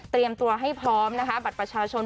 ตัวให้พร้อมนะคะบัตรประชาชน